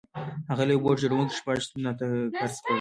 هغه له يوه بوټ جوړوونکي شپږ سنټه قرض کړل.